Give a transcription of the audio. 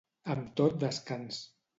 Amb tot descans.